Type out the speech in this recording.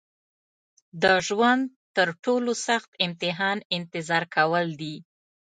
د ژوند تر ټولو سخت امتحان انتظار کول دي.